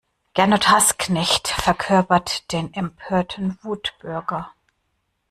Gernot Hassknecht verkörpert den empörten Wutbürger.